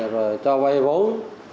rồi cho vay vốn